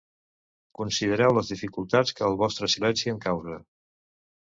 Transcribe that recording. Considereu les dificultats que el vostre silenci em causa».